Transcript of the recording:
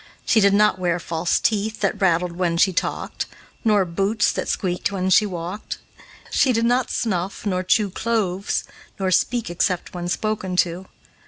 She did not wear false teeth that rattled when she talked, nor boots that squeaked when she walked. She did not snuff nor chew cloves, nor speak except when spoken to.